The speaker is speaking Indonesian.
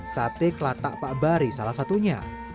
sate kelatak pak bari salah satunya